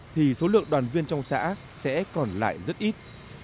thì số lượng đoàn viên trong xã sẽ còn lại rất ít